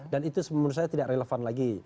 dan itu menurut saya tidak relevan lagi